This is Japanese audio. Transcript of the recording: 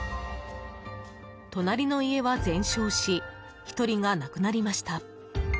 隣の家は全焼し１人が亡くなりました。